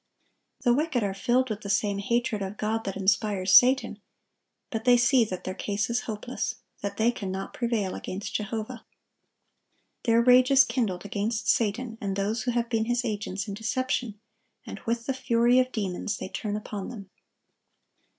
The wicked are filled with the same hatred of God that inspires Satan; but they see that their case is hopeless, that they cannot prevail against Jehovah. Their rage is kindled against Satan and those who have been his agents in deception, and with the fury of demons they turn upon them.